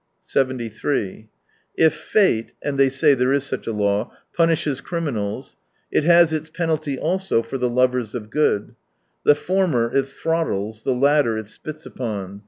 73 If fate — and they say there is such a law — punishes criminals, it has its penalty also for the lovers of good. The former it throttles, the latter it spits upon.